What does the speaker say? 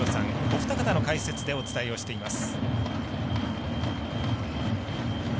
お二方の解説でお伝えをしています。